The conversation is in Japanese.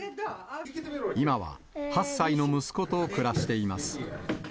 今は８歳の息子と暮らしています。